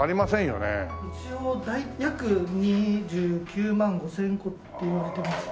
一応約２９万５０００個っていわれてますね。